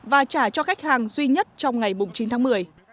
và trả cho khách hàng duy nhất trong ngày chín tháng một mươi